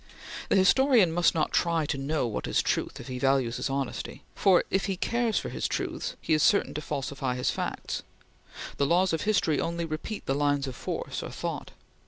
The historian must not try to know what is truth, if he values his honesty; for, if he cares for his truths, he is certain to falsify his facts. The laws of history only repeat the lines of force or thought.